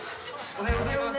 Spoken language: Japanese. おはようございます。